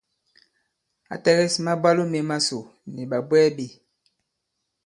Ǎ tɛ̀gɛs mabwalo mē masò nì ɓàbwɛɛ ɓē.